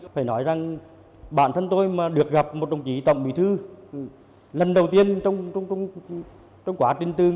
phải nói rằng bản thân tôi mà được gặp một đồng chí tổng bí thư lần đầu tiên trong quá trình tư